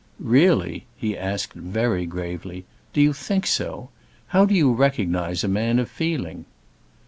"Really?" he asked, very gravely. "Do you think so? How do you recognize a man of feeling?"